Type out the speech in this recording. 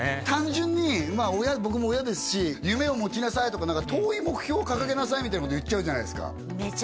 単純に僕も親ですし「夢を持ちなさい」とか「遠い目標を掲げなさい」みたいなこと言っちゃうじゃないですかね